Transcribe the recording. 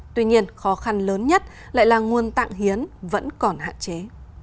tuy nhiên khó khăn lớn nhất lại là nguồn tạng hiến vẫn còn hạn chế